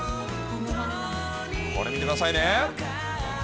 これ見てくださいね。